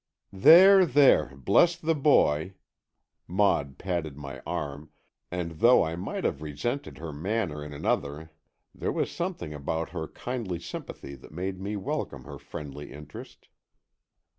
"There, there, bless the boy," Maud patted my arm, and though I might have resented her manner in another there was something about her kindly sympathy that made me welcome her friendly interest.